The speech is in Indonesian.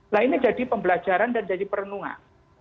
nah ini jadi pembelajaran dan jadi perenungan